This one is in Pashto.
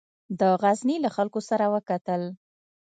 د غزني له خلکو سره وکتل.